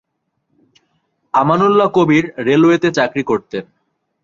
আমানউল্লাহ কবির রেলওয়েতে চাকরি করতেন।